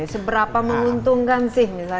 seberapa menguntungkan sih